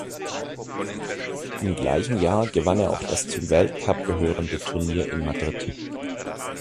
Im gleichen Jahr gewann er auch das zum Weltcup gehörende Turnier in Madrid.